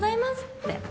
って。